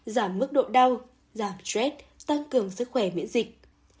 giảm mức độ đau giảm stress tăng cường sức khỏe miễn dịch